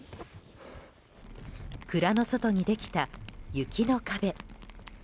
蔵の外にできた雪の壁。